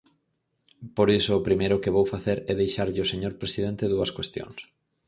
Por iso, o primeiro que vou facer é deixarlle ao señor presidente dúas cuestións.